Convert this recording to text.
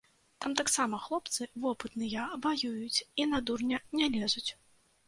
Там таксама хлопцы вопытныя ваююць і на дурня не лезуць.